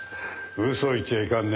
嘘を言っちゃいかんね。